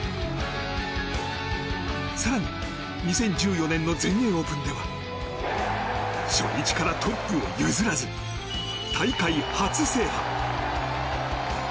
更に２０１４年の全英オープンでは初日からトップを譲らず大会初制覇。